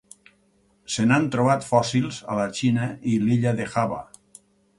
Se n'han trobat fòssils a la Xina i l'illa de Java.